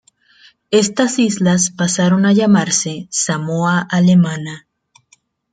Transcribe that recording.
Estas islas pasaron a llamarse Samoa Alemana.